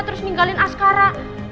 terus ninggalin askara